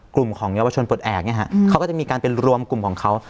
กลุ่มของเยาวชนปลดแอบเนี่ยฮะเขาก็จะมีการเป็นรวมกลุ่มของเขา